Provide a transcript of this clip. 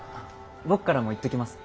僕からも言っときます。